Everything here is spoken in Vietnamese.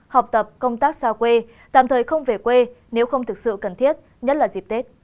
học tập công tác xa quê tạm thời không về quê nếu không thực sự cần thiết nhất là dịp tết